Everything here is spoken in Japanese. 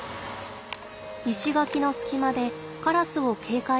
石垣の隙間でカラスを警戒する親子。